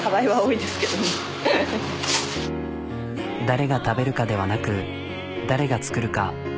誰が食べるかではなく誰が作るか。